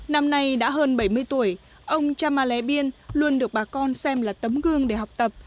năm nay đã hơn bảy mươi tuổi ông chama lé biên luôn được bà con xem là tấm gương để học tập